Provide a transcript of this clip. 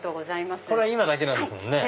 これは今だけなんですもんね。